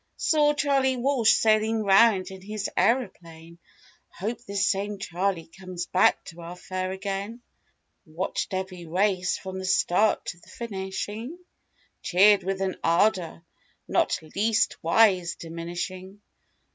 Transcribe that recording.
Saw Charley Walsh sailing 'round in his aeroplane— Hope this same Charley comes back to our fair again ; Watched every race from the start to the finishing, Cheered with an ardor, not least wise diminishing.